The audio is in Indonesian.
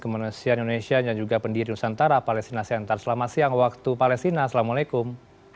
kemanusiaan indonesia dan juga pendiri nusantara palestina center selamat siang waktu palestina assalamualaikum